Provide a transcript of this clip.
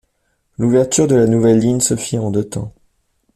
L'ouverture de la nouvelle ligne se fit en deux temps.